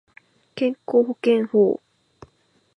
健康保険法